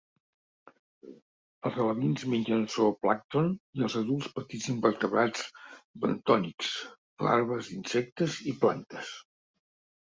Els alevins mengen zooplàncton i els adults petits invertebrats bentònics, larves d'insectes i plantes.